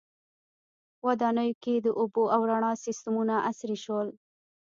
• ودانیو کې د اوبو او رڼا سیستمونه عصري شول.